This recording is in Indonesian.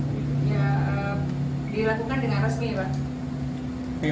ya dilakukan dengan resmi ya pak